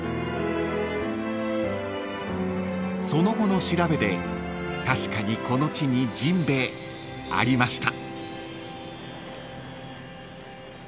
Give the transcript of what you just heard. ［その後の調べで確かにこの地に甚兵衛ありました］